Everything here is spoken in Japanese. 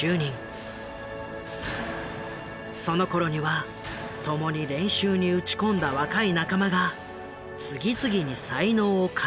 そのころには共に練習に打ち込んだ若い仲間が次々に才能を開花していた。